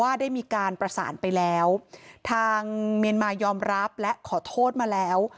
ได้มีการประสานไปแล้วทางเมียนมายอมรับและขอโทษมาแล้ว